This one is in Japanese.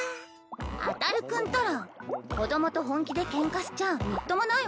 あたる君ったら子供と本気でケンカしちゃみっともないわ。